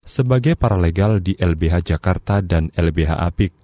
sebagai paralegal di lbh jakarta dan lbh apik